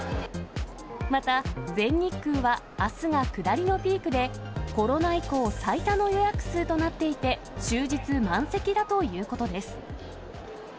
また、全日空は、あすが下りのピークで、コロナ以降最多の予約数となっていて、終日満席だということです。